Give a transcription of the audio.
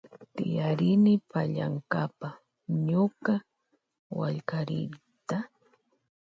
Tiyarini pallankapa ñuka wallkariyta.